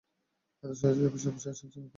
এত সহজে এসব শেষ হচ্ছে না, তাই না?